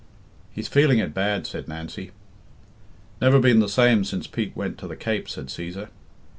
"He's feeling it bad," said Nancy. "Never been the same since Pete went to the Cape," said Cæsar.